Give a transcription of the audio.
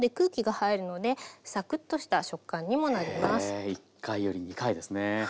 へえ１回より２回ですね。